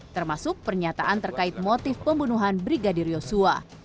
termasuk pernyataan terkait motif pembunuhan brigadir yosua